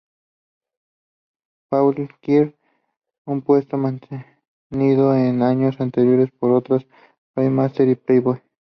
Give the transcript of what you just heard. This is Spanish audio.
Pauli Girl, un puesto mantenido en años anteriores por otras Playmates de "Playboy".